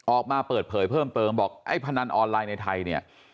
ออกมาเปิดเผยเพิ่มเติมบอกไอ้พนันออนไลน์ในไทยเนี่ย